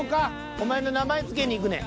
お前の名前つけにいくねん。